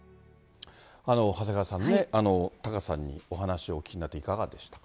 長谷川さんね、貴月さんにお話を伺っていかがでしたか。